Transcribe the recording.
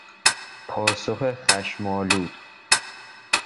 پاسخ خشمآلود